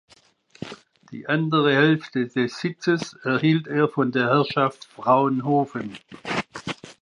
Die andere Hälfte des Sitzes erhielt er von der Herrschaft Fraunhofen.